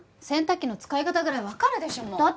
洗濯機の使い方ぐらいわかるでしょもう。